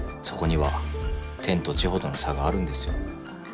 そこには天と地ほどの差があるんですよ。